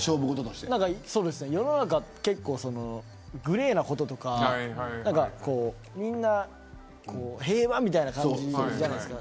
世の中グレーなこととかみんな平和という感じじゃないですか。